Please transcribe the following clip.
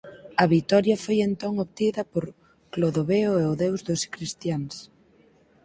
A vitoria foi entón obtida por Clodoveo e o Deus dos cristiáns.